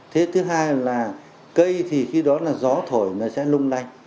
thế thứ hai là cây thì khi đó là gió thổi nó sẽ lung lay